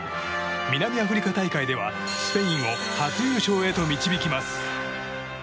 南アフリカ大会ではスペインを初優勝へと導きます。